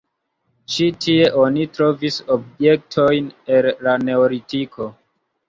Ĉi tie oni trovis objektojn el la neolitiko.